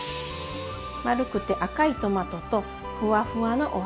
丸くて赤いトマトとふわふわのお揚げさん。